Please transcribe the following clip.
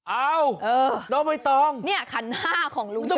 เอ้าน้องไม่ต้องนี่คันห้าของลุงเชิด